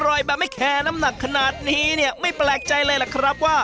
อร่อยแบบไม่แคร์น้ำหนักขนาดนี้ไม่แปลกใจเลยครับ